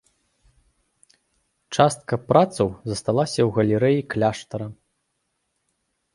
Частка працаў засталася ў галерэі кляштара.